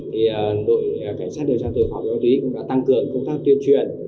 đội cảnh sát điều tra tội phạm và ma túy cũng đã tăng cường công tác tuyên truyền